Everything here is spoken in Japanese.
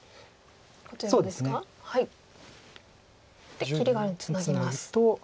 で切りがあるのでツナぎます。